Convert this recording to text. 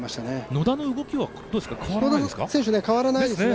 野田の動きはどうですか、変わらないですか？